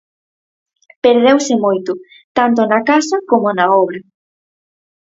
Perdeuse moito, tanto na casa como na obra.